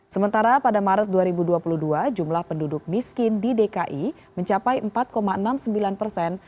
sementara pada maret dua ribu dua puluh dua jumlah penduduk miskin di dki mencapai empat enam puluh sembilan persen